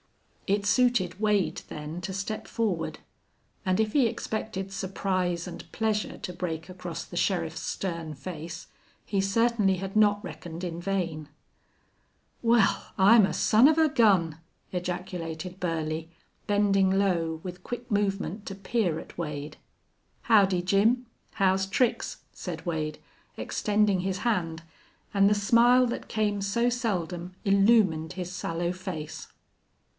It suited Wade, then, to step forward; and if he expected surprise and pleasure to break across the sheriff's stern face he certainly had not reckoned in vain. "Wal, I'm a son of a gun!" ejaculated Burley, bending low, with quick movement, to peer at Wade. "Howdy, Jim. How's tricks?" said Wade, extending his hand, and the smile that came so seldom illumined his sallow face.